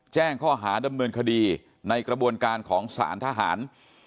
แจ้งข้อหาดำเนินคดีในกระบวนการของสารทหาร